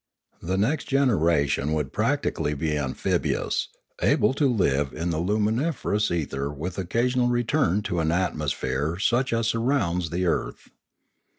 The next generation would practically be amphibious, able to live in the luminiferous ether with occasional return to an atmosphere such as sur rounds the earth.